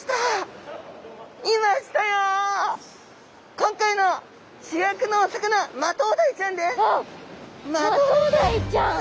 今回の主役のお魚マトウダイちゃんです。